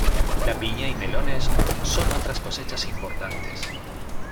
La piña y melones son otras cosechas importantes.